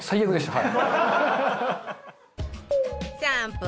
はい。